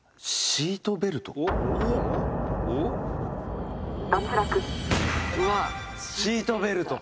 「シートベルト」